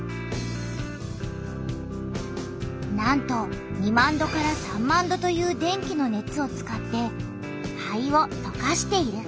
なんと２万度３万度という電気の熱を使って灰を溶かしている。